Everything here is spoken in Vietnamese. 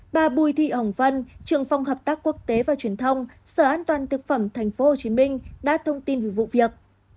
bà bùi thị hồng vân trưởng phòng hợp tác quốc tế và truyền thông sở an toàn thực phẩm tp hcm đã thông tin về vụ việc